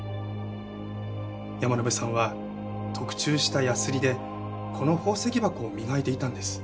山野辺さんは特注したヤスリでこの宝石箱を磨いていたんです。